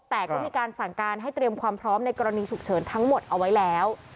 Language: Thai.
แต่ก็มีการสั่งการให้เตรียมความพร้อมในกรณีฉุกเฉินทั้งหมดเอาไว้แล้ว